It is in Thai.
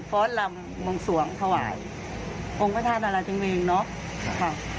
ฟอสลำมงสวงถวายองค์ประธานาฬาจังหวีเนอะค่ะ